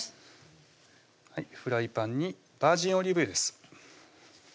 フライパンにバージンオリーブ油です